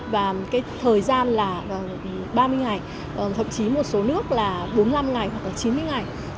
và cái thời gian là ba mươi ngày thậm chí một số nước là bốn mươi năm ngày hoặc là chín mươi ngày